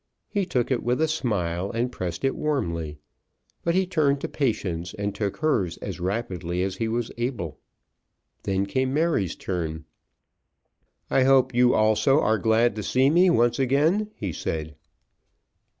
He took it with a smile, and pressed it warmly. But he turned to Patience and took hers as rapidly as he was able. Then came Mary's turn. "I hope you also are glad to see me once again?" he said.